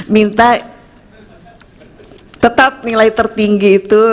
minta tetap nilai tertinggi itu